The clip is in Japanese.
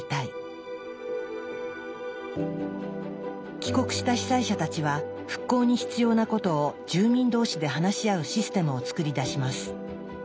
帰国した被災者たちは復興に必要なことを住民同士で話し合うシステムを作り出します。